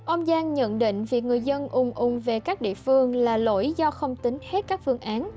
ông giang nhận định việc người dân ung về các địa phương là lỗi do không tính hết các phương án